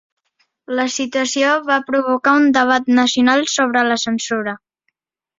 La situació va provocar un debat nacional sobre la censura.